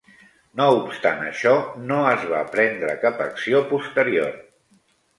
No obstant això, no es va prendre cap acció posterior.